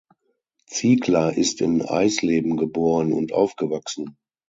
Ziegler ist in Eisleben geboren und aufgewachsen.